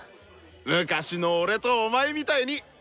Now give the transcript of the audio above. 昔の俺とお前みたいに！